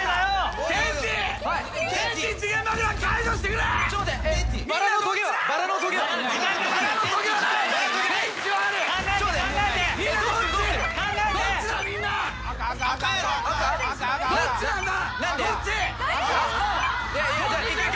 さあどっちなんだ？